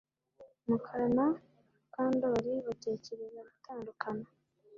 Mukara na Mukandoli batekereza gutandukana